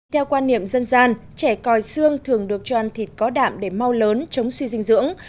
theo quan niệm dân gian trẻ còi xương thường được cho ăn thịt có đạm để mau lớn chống suy dinh dưỡng